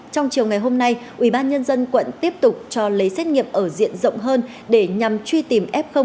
trong chiều ngày hôm nay ủy ban nhân dân quận tiếp tục cho lấy xét nghiệm ở diện rộng hơn để nhằm truy tìm f